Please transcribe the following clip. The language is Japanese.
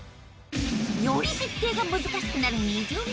より設定が難しくなる２巡目